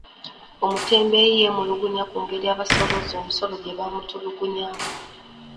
Omutembeeyi yeemulugunya ku ngeri abasoolooza omusolo gye bamutulugunyaamu.